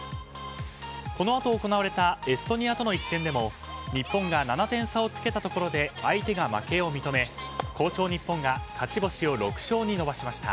このあと行われたエストニアとの一戦でも日本が７点差をつけたところで相手が負けを認め好調日本が勝ち星を６勝に伸ばしました。